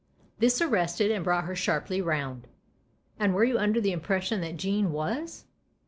This arrested and brought her sharply round, "And were you under the impression that Jean was